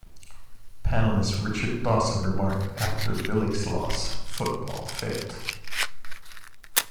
Panelist Richard Dawson remarked after Billick's loss: Football: Failed.